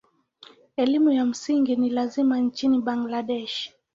Elimu ya msingi ni ya lazima nchini Bangladesh.